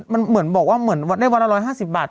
มันเหมือนบอกว่าได้วันละ๑๕๐บาตร